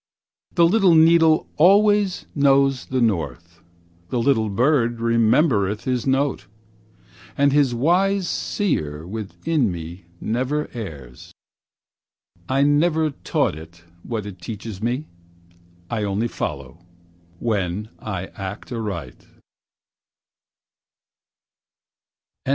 The little needle always knows the North, The little bird remembereth his note, And this wise Seer within me never errs. I never taught it what it teaches me; I only follow, when I act aright.